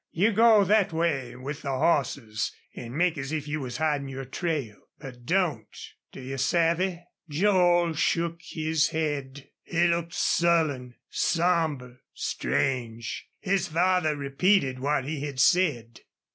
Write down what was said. You go thet way with the hosses an' make as if you was hidin' your trail, but don't. Do you savvy?" Joel shook his head. He looked sullen, somber, strange. His father repeated what he had said.